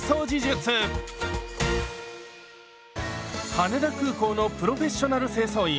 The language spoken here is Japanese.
羽田空港のプロフェッショナル清掃員